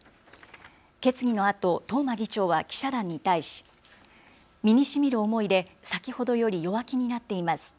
決議のあと東間議長は記者団に対し身にしみる思いで先ほどより弱気になっています。